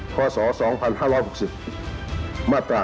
ข้อสอ๒๕๖๐มาตรา๗๒